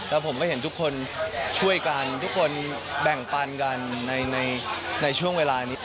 แล้วผมก็เห็นทุกคนช่วยกันทุกคนแบ่งปันกันในช่วงเวลานี้